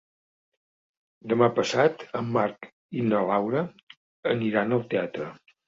Demà passat en Marc i na Laura aniran al teatre.